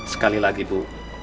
sekali lagi ibu